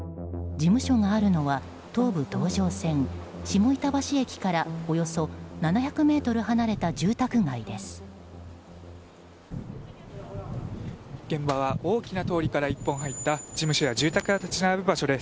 事務所があるのは東武東上線下板橋駅からおよそ７００ｍ離れた住宅街です。